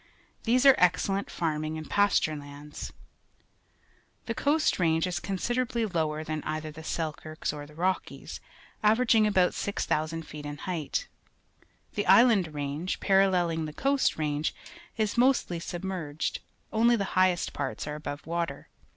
These are excellent farming and pasture lands. The Coast Range is considerably lower than either the Selkirks or the Rockies, averaging about 6,000 feet in height. The Cathedral Mountain, Field, British Columbia Island Range, parallehng the Coast Range, is mostly submerged. Onlj the highest parts are above water.